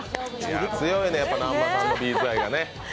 強いね、南波さんのＢ’ｚ愛がね。